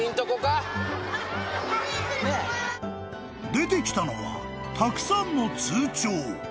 ［出てきたのはたくさんの通帳］